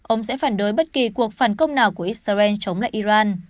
ông sẽ phản đối bất kỳ cuộc phản công nào của israel chống lại iran